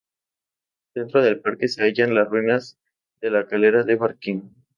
Dentro del parque se hallan las ruinas de la Calera de Barquín.